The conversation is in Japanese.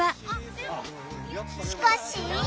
しかし。